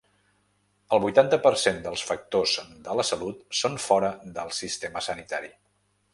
El vuitanta per cent dels factors de la salut són fora del sistema sanitari.